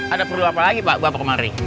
ada perlu apa lagi pak gue apa kemari